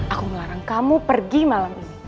aku melarang kamu pergi malam ini